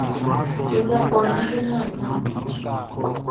Ye kwla kɔ jenvie nuan ainman?